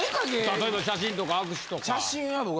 例えば写真とか握手とか。